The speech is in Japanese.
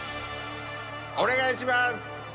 お願いします！